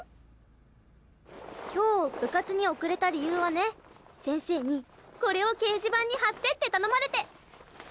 今日部活に遅れた理由はね先生にこれを掲示板に貼ってって頼まれて。